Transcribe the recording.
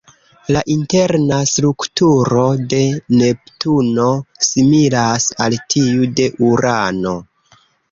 La interna strukturo de Neptuno similas al tiu de Urano.